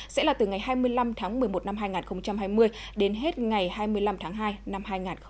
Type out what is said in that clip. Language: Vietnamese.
sẽ là từ ngày hai mươi năm tháng một mươi một năm hai nghìn hai mươi đến hết ngày hai mươi năm tháng hai năm hai nghìn hai mươi một